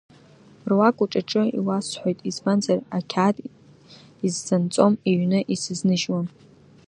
Руак уҿаҿы иуасҳәоит, избанзар, ақьаад исзанҵом, иҩны исызныжьуам.